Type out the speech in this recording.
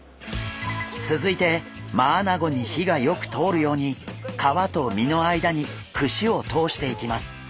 続いてマアナゴに火がよく通るように皮と身の間に串を通していきます。